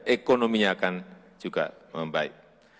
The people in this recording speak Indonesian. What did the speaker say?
ekonominya akan juga membaik